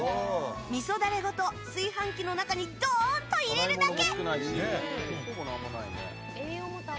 味噌ダレごと、炊飯器の中にどーんと入れるだけ。